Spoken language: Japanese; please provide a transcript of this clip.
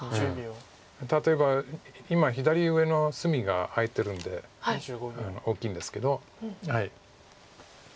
例えば今左上の隅が空いてるんで大きいんですけど。